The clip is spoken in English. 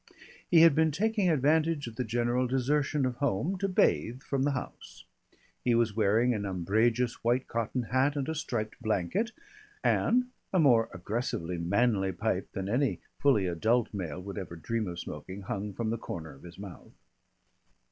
He had been taking advantage of the general desertion of home to bathe from the house. He was wearing an umbrageous white cotton hat and a striped blanket, and a more aggressively manly pipe than any fully adult male would ever dream of smoking, hung from the corner of his mouth.